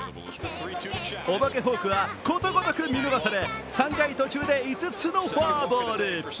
お化けフォークはことごとく見逃され３回途中で５つのフォアボール。